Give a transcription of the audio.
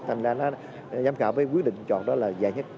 thành ra giám khảo với quyết định chọn đó là dài nhất